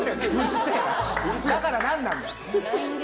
だから何なんだよ。